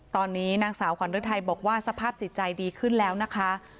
ตอนนี้นางสาวขวัญฤทัยบอกว่าสภาพจิตใจดีขึ้นแล้วนะคะ